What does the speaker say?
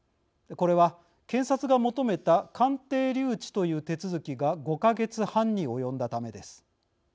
これは検察が求めた鑑定留置という手続きが５か月半に及んだためです。